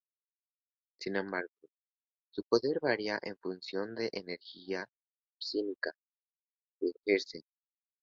Sin embargo su poder varia en función de la energía psiónica que ejerce.